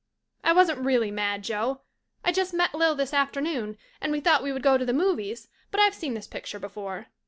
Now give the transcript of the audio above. I wasn't really mad, Joe. I just met Lil this afternoon and we thought we would go to the movies but I've seen this picture before.